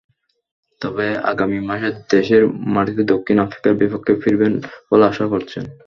তবে আগামী মাসে দেশের মাটিতে দক্ষিণ আফ্রিকার বিপক্ষে ফিরবেন বলে আশা করছেন।